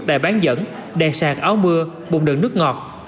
đài bán dẫn đèn sạc áo mưa bụng đường nước ngọt